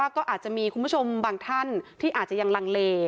ก็อาจจะมีคุณผู้ชมบางท่านที่อาจจะยังลังเล